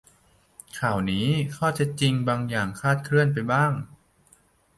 ข่าวนี้ข้อเท็จจริงบางอย่างคลาดเคลื่อนไปบ้าง